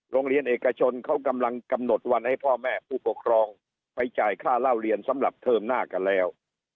โรงเรียนเอกชนเขากำลังกำหนดวันให้พ่อแม่ผู้ปกครองไปจ่ายค่าเล่าเรียนสำหรับเทอมหน้ากันแล้ว